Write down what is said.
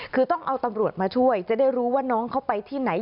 คือต้องเอาตำรวจมาช่วยจะได้รู้ว่าน้องเขาไปที่ไหน